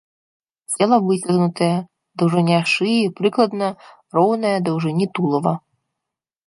Цела выцягнутае, даўжыня шыі прыкладна роўная даўжыні тулава.